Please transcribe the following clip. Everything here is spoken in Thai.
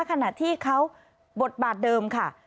ขณะที่เขาบทบาทเดิมค่ะ